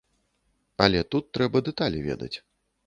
Але тут трэба дэталі ведаць.